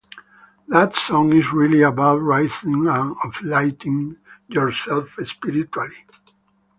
That song is really about raising and uplifting yourself spiritually.